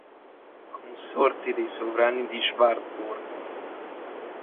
Consorti dei sovrani di Schwarzburg